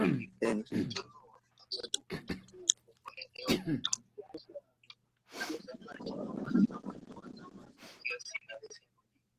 Kulikuwa kukipikwa ugali wa muhindi na wali wa muhindi